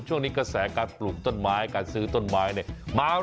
ช่วงนี้กระแสการปลูกต้นไม้การซื้อต้นไม้เนี่ย